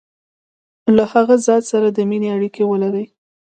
له هغه ذات سره د مینې اړیکي ولري.